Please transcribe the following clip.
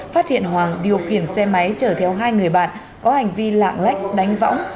phát hiện hoàng điều khiển xe máy chở theo hai người bạn có hành vi lạng lách đánh võng